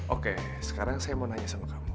oke sekarang saya mau nanya sama kamu